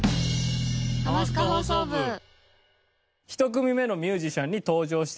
１組目のミュージシャンに登場して頂きましょう。